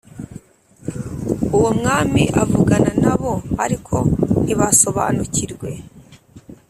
uwo mwami avugana na bo ariko ntibasobanukirwe